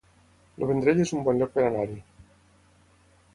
El Vendrell es un bon lloc per anar-hi